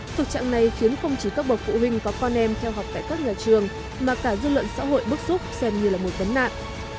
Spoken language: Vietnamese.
thực trạng này khiến không chỉ các bậc phụ huynh có con em theo học tại các nhà trường mà cả dư luận xã hội bức xúc xem như là một vấn nạn